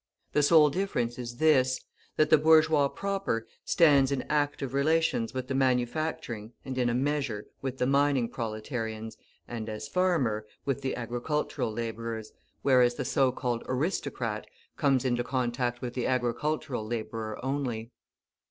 The sole difference is this, that the bourgeois proper stands in active relations with the manufacturing, and, in a measure, with the mining proletarians, and, as farmer, with the agricultural labourers, whereas the so called aristocrat comes into contact with the agricultural labourer only.